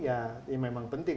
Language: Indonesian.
ya ini memang penting